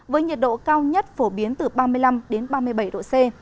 với nhiệt độ cao nhất phổ biến từ ba mươi năm ba mươi bảy độ c